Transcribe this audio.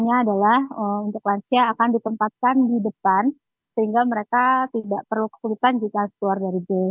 yang adalah untuk lansia akan ditempatkan di depan sehingga mereka tidak perlu kesulitan jika keluar dari bus